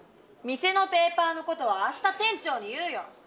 店のペーパーの事はあした店長に言うよ。